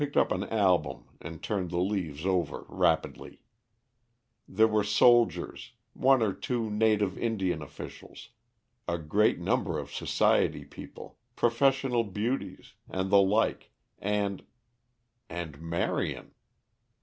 Geoffrey picked up an album and turned the leaves over rapidly. There were soldiers, one or two native Indian officials, a great number of Society people, professional beauties, and the like and and Marion!